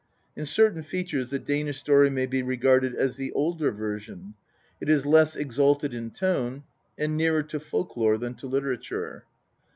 In certain features the Danish story may be regarded as the older version ; it is less exalted in tone, and nearer to folklore than to literature.